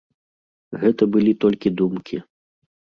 Гэта былі толькі думкі.